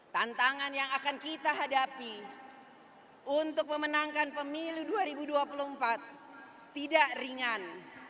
tantangan yang akan kita hadapi untuk memenangkan pemilu dua ribu dua puluh empat tidak ringan